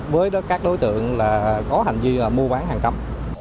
với các đối tượng có hành vi mua bán hàng cấm